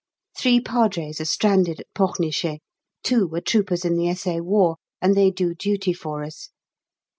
Three Padres are stranded at Pornichet two were troopers in the S.A. War, and they do duty for us.